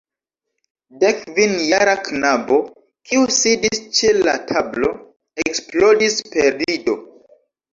Dekkvinjara knabo, kiu sidis ĉe la tablo, eksplodis per rido.